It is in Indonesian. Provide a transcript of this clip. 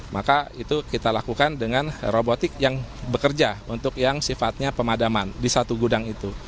maka itu kita lakukan dengan robotik yang bekerja untuk yang sifatnya pemadaman di satu gudang itu